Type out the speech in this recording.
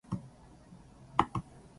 千葉県茂原市